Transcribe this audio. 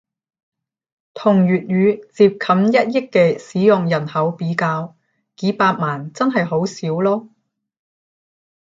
同粵語接近一億嘅使用人口比較，幾百萬真係好少囉